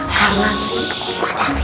karena sih bapak david